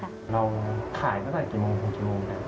เราขายเมื่อกี่โมงทุ่มกี่โมง